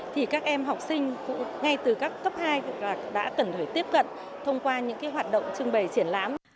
thì các em học sinh ngay từ các cấp hai đã cần phải tiếp cận thông qua những cái hoạt động trưng bày triển lãm